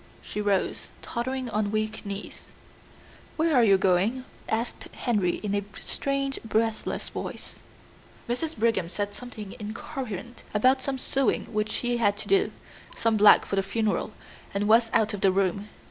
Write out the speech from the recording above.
She rose, tottering on weak knees. "Where are you going?" asked Henry in a strange, breathless voice. Mrs. Brigham said something incoherent about some sewing which she had to do some black for the funeral and was out of the room.